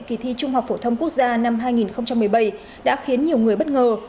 kỳ thi trung học phổ thông quốc gia năm hai nghìn một mươi bảy đã khiến nhiều người bất ngờ